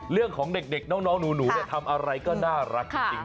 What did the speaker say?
เรื่องของเด็กน้องหนูทำอะไรก็น่ารักจริง